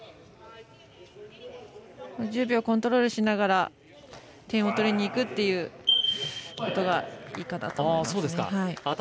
１０秒コントロールしながら点を取りにいくっていうことがいいかなと思います。